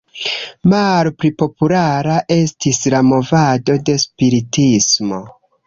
Malpli populara estis la movado de spiritismo.